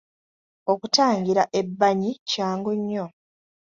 Okutangira ebbanyi kyangu nnyo